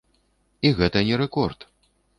І гэта не рэкорд.